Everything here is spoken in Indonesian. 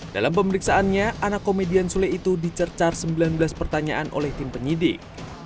dalam pemeriksaannya anak komedian sule itu dicercar sembilan belas pertanyaan oleh tim penyidik